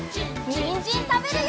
にんじんたべるよ！